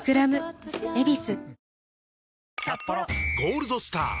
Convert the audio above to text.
「ゴールドスター」！